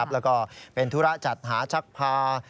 แล้วก็เป็นธุระจัดหาชักพา